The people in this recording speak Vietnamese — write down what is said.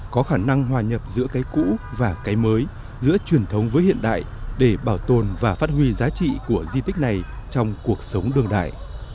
có khả năng hòa nhập giữa cái cũ và cái mới giữa truyền thống với hiện đại để bảo tồn và phát huy giá trị của di tích này trong cuộc sống đương đại